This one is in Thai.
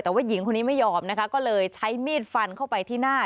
แต่ว่าหญิงคนนี้ไม่ยอมนะคะก็เลยใช้มีดฟันเข้าไปที่หน้า